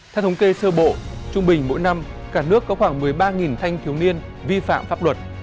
theo thống kê sơ bộ trung bình mỗi năm cả nước có khoảng một mươi ba thanh thiếu niên vi phạm pháp luật